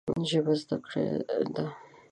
ژبه زده کړه ده